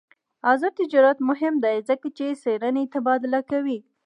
آزاد تجارت مهم دی ځکه چې څېړنې تبادله کوي.